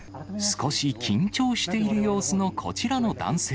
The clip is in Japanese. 少し緊張している様子のこちらの男性。